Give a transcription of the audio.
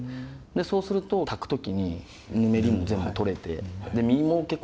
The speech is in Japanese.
そうすると炊く時にぬめりも全部取れて。